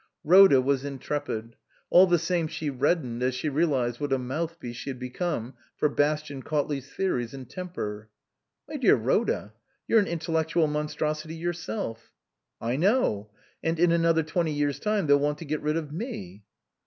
Bhoda was intrepid ; all the same she red dened as she realized what a mouthpiece she had become for Bastian Cautley's theories and temper. " My dear Rhoda, you're an intellectual mon strosity yourself." "I know. And in another twenty years' time they'll want to get rid of me."